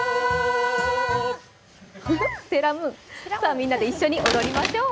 みんなで一緒に踊りましょう。